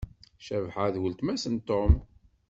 Cabḥa d weltma-s n Tom.